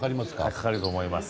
かかると思います。